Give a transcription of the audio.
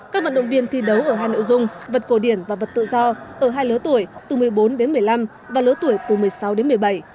các vận động viên thi đấu ở hai nội dung vật cổ điển và vật tự do ở hai lứa tuổi từ một mươi bốn đến một mươi năm và lứa tuổi từ một mươi sáu đến một mươi bảy